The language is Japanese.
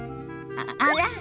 あら？